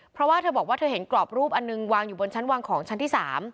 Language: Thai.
เพราะว่าเธอบอกว่าเธอเห็นกรอบรูปอันหนึ่งวางอยู่บนชั้นวางของชั้นที่๓